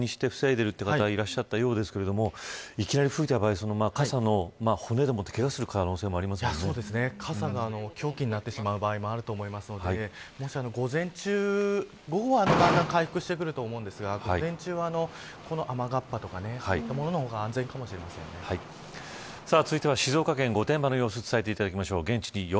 あと傘で横にして防いでいる方いらっしゃったようですがいきなり吹いた場合傘の骨でけがをする可能性もそうですね、傘が凶器になってしまう場合もあると思うので午後は、だんだん回復してくると思うんですが午前中は雨がっぱとかそういったものの方が続いては静岡県御殿場の様子伝えていただきましょう。